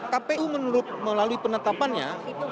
kpu menurut melalui penetapannya